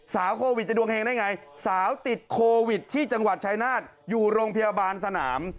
โควิดจะดวงเฮงได้ไงสาวติดโควิดที่จังหวัดชายนาฏอยู่โรงพยาบาลสนาม